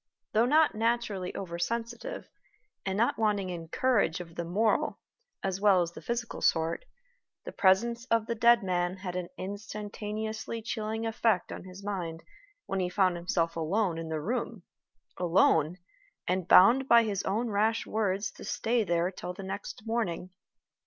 Though not naturally over sensitive, and not wanting in courage of the moral as well as the physical sort, the presence of the dead man had an instantaneously chilling effect on his mind when he found himself alone in the room alone, and bound by his own rash words to stay there till the next morning.